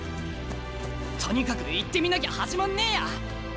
とにかく行ってみなきゃ始まんねえや。